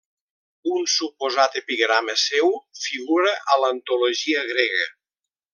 Un suposat epigrama seu figura a l'antologia grega.